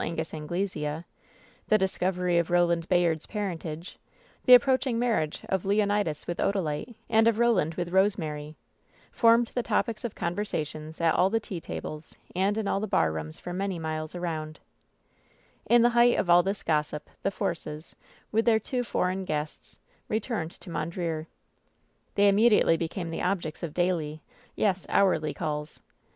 Angus Anglesea ; the discovery of Boland Bayard's parentage ; the approaching marriage of Leonidas with Odalite, and of Roland with Rosemary — formed the topics of conversation at all the tea tables and in all the barrooms for many miles around* 284» WHEN SHADOWS DIE Tn the height of all this gossip, the Forces, with their two foreign guests, returned to Mondreer. They immediately became the objects of daily, yes, hourly calls.